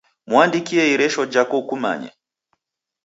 Mwandikie ieresho jhako ukumanye